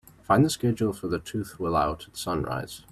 Find the schedule for The Tooth Will Out at sunrise.